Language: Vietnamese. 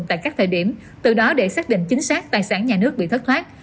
tại các thời điểm từ đó để xác định chính xác tài sản nhà nước bị thất thoát